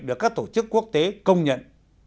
được các tổ chức quốc tế công nhận